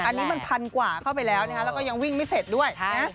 อันนี้มันพันกว่าเข้าไปแล้วนะคะแล้วก็ยังวิ่งไม่เสร็จด้วยนะ